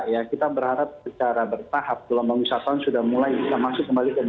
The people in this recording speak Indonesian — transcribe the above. ya kita berharap secara bertahap gelombang wisatawan sudah mulai bisa masuk kembali ke indonesia